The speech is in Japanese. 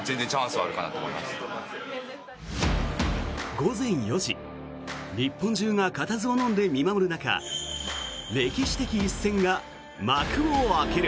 午前４時、日本中がかたずをのんで見守る中歴史的一戦が幕を開ける。